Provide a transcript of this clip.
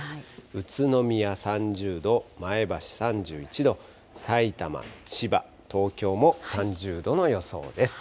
宇都宮３０度、前橋３１度、さいたま、千葉、東京も３０度の予想です。